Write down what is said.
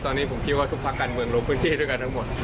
ตอนนี้ผมคิดว่าทุกภาคการเมืองลงพื้นที่ด้วยกันทั้งหมด